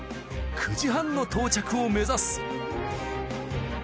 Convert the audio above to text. ９時半の到着を目指す。